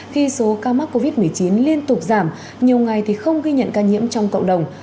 khi số ca mắc covid một mươi chín liên tục giảm nhiều ngày thì không ghi nhận ca nhiễm trong cộng đồng